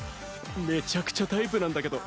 めちゃくちゃタイプなんだけど。